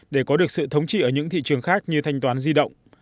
để có được sự thống trị ở những thị trường khác như thanh toán di động